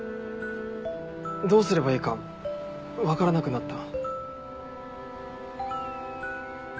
どうすればいいか分からなくなった。